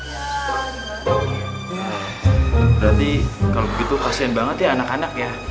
berarti kalau begitu kasian banget ya anak anak ya